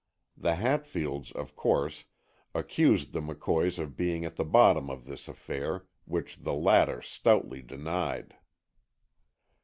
The Hatfields, of course, accused the McCoys of being at the bottom of this affair, which the latter stoutly denied.